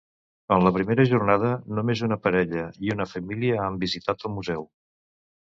En la primera jornada, només una parella i una família han visitat el museu.